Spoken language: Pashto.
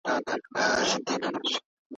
ټول فایلونه په ډرایو کي ذخیره سول.